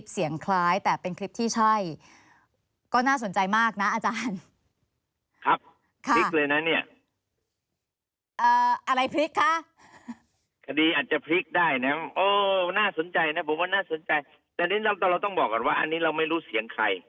เสียงคล้ายเสียงคล้าย